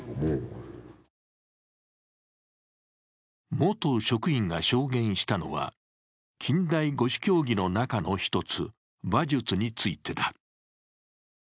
元職員が証言したのは、近代五種競技の中の一つ、馬術についてだ。